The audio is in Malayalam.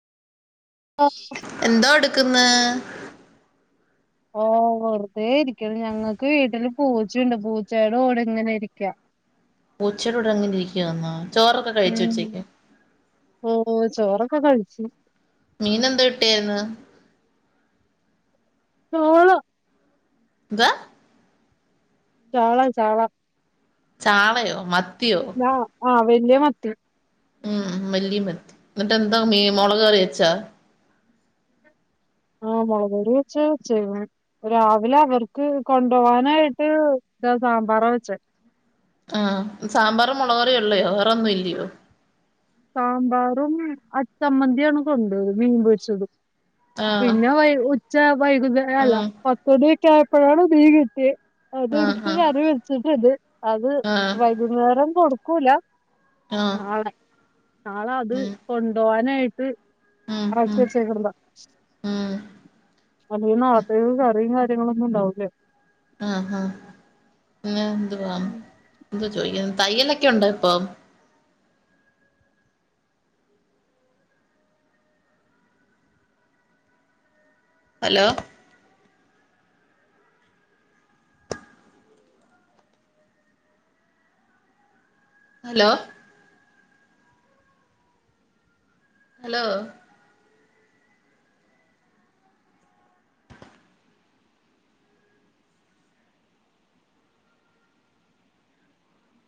[unintelligible] കുന്ന് ഓ വെറുതെ ഇരിക്ക ഞങ്ങക്ക് വീട്ടില് പൂച്ചയുണ്ട് പൂച്ചയോടുടെ ഇങ്ങനെ ഇരിക്ക പൂച്ചടോ ഡാങ്ങനാ രിക്കുവന്നോ ചോറൊക്കെ കഴിച്ചു ഉ ഉം ച്ചേക്ക് ഓ ചോറൊക്കെ കഴിച്ചു മീൻ എന്താ കിട്ടിയായിന്ന് ചാള എന്താ ചാള ചാള ചാളയോ മ ആ ആ വലിയ മത്തി ഉം വലിയ മത്തി എന്നിട്ട് എന്താ മീ മുളക്റി വച്ചാ ആ മുളകറി വെച്ച് ആ രാവിലെ അവർക്ക് കൊണ്ടോവാനായിട്ട് ഇ സാമ്പാറ വെച്ച ആ സാമ്പാറും മുളകറിയ ഉള്ളയോ വേറെന്നും ഇല്ലയോ സാമ്പാറും അച്ചമ്മന്തിയാണ് കൊണ്ടത് മീൻപൊരിച്ചതും ആഹ് പിന്നെ വൈ ഉച്ച വൈകുന്നേരം അല്ല ആഹ് പത്തടി ക്കായപ്പോഴാണ് മീ കിട്ടിയേ അത് എടുത്ത് ആഹ് കറി വെച്ചിട്ട് ഇത് അത് ആഹ് വൈകുന്നേരം കൊടുക്കൂല ആഹ് ആഹ് നാളെ നാളെ അത് കൊണ്ടുപോവാനായിട്ട് ഉം ഉം ആക്കി ഉം വച്ചേക്കണത ഉം അല്ല നാലത്തേക്ക് കറി കളൊന്നും ഉണ്ടാവൂ ല്ലേ ആ ആ ങ്ങ എന്തുവാ എന്താ ചോദി ക്ക തയ്യലൊക്കെയുണ്ട ഇപ്പം ഹലോ ഹലോ ഹലോ